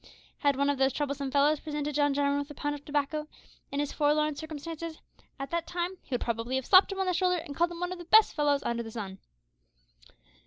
Had one of those troublesome fellows presented John Jarwin with a pound of tobacco in his forlorn circumstances, at that time he would probably have slapped him on the shoulder, and called him one of the best fellows under the sun!